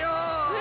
え